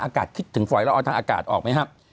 คิดถึงฝอยละอองทางอากาศออกไหมครับ